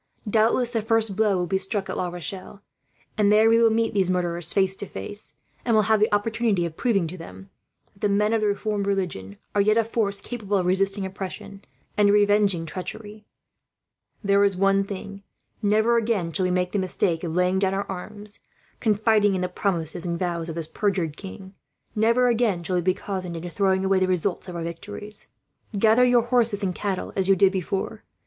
Doubtless the first blow will be struck at La Rochelle, and there we will meet these murderers face to face; and will have the opportunity of proving, to them, that the men of the Reformed religion are yet a force capable of resisting oppression, and revenging treachery. There is one thing: never again shall we make the mistake of laying down our arms, confiding in the promises and vows of this perjured king; never again shall we be cozened into throwing away the results of our victories. "Gather your horses and cattle, as you did before.